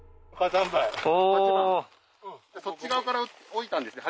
そっち側から置いたんですね